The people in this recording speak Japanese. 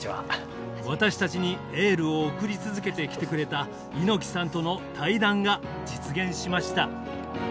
私たちにエールを送り続けてきてくれた猪木さんとの対談が実現しました。